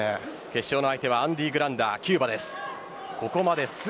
決勝の相手はアンディ・グランダキューバの選手です。